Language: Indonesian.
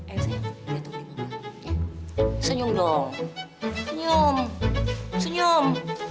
eh sayang lihat untuk mama senyum dong senyum senyum